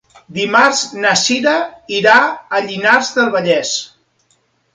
Dimarts na Cira irà a Llinars del Vallès.